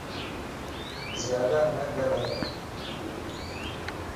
زيادا نه ڳالھائي